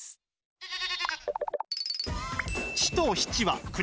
メェ！